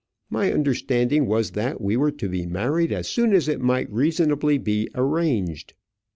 My understanding was that we were to be married as soon as it might reasonably be arranged.